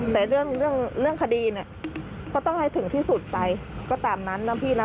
แต่เรื่องเรื่องคดีเนี่ยก็ต้องให้ถึงที่สุดไปก็ตามนั้นนะพี่นะ